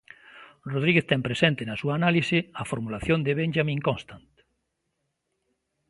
Rodríguez ten presente na súa análise a formulación de Benjamin Constant.